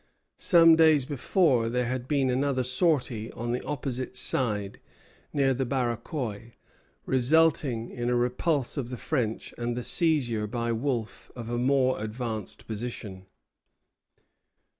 Some days before, there had been another sortie on the opposite side, near the Barachois, resulting in a repulse of the French and the seizure by Wolfe of a more advanced position.